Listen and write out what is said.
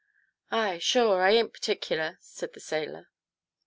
" Ay, sure ; I ain't particular," said the sailor.